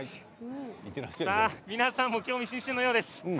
皆さんも興味津々のようです。